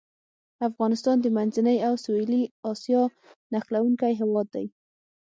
افغانستان د منځنۍ او سویلي اسیا نښلوونکی هېواد دی.